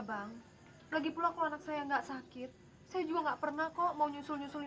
bang lagi pula kok anak saya enggak sakit saya juga enggak pernah kok mau nyusul nyusulin